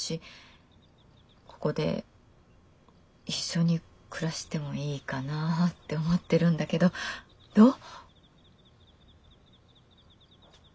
ここで一緒に暮らしてもいいかなぁって思ってるんだけどどう？